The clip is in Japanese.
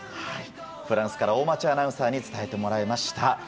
フランスから大町アナウンサーに伝えてもらいました。